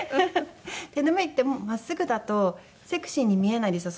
手拭いって真っすぐだとセクシーに見えないんですよ